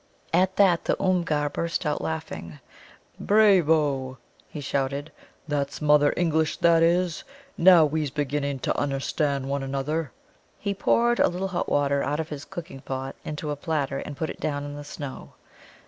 At that the Oomgar burst out laughing. "Brayvo!" he shouted; "that's mother English, that is! Now we's beginning to unnerstand one another." He poured a little hot water out of his cooking pot into a platter and put it down in the snow.